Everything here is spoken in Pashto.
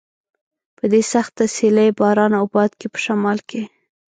په دې سخته سیلۍ، باران او باد کې په شمال کې.